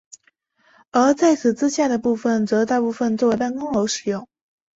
而在此之下的部分则大部分作为办公楼使用。